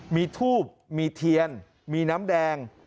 มีทูบมีเทียนมีน้ำแดง